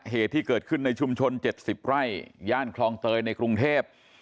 เหตุที่เกิดขึ้นในชุมชน๗๐ไร่ย่านคลองเตยในกรุงเทพ